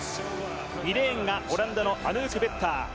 ２レーンがオランダのアヌーク・ベッター。